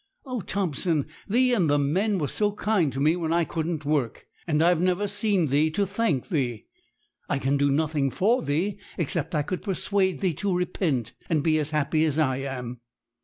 Oh, Thompson thee and the men were so kind to me when I couldn't work, and I've never seen thee to thank thee. I can do nothing for thee, except I could persuade thee to repent, and be as happy as I am.'